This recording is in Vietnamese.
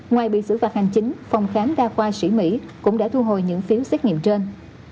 ngoài bị xử phạt hành chính phòng khám đa khoa sĩ mỹ cũng đã thu hồi những phiếu xét nghiệm trên